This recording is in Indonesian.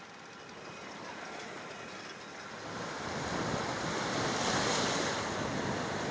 pemudik juga bisa menambahkan alat untuk menambahkan udara